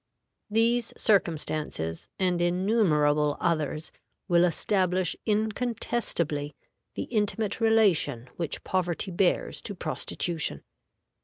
These circumstances, and innumerable others, will establish incontestably the intimate relation which poverty bears to prostitution.